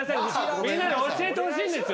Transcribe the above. みんなに教えてほしいんですよ。